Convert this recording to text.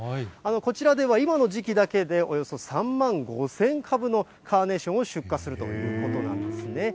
こちらでは今の時期だけでおよそ３万５０００株のカーネーションを出荷するということなんですね。